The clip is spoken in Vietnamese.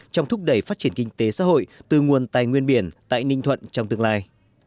trong thúc đẩy phát triển kinh tế xã hội từ nguồn tài nguyên biển tại ninh thuận trong tương lai